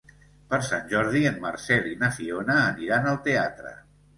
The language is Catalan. Per Sant Jordi en Marcel i na Fiona aniran al teatre.